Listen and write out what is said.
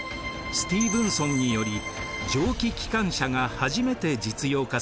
スティーヴンソンにより蒸気機関車が初めて実用化されました。